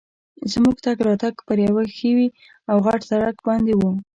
زموږ تګ راتګ پر یوه ښوي او غټ سړک باندي وو.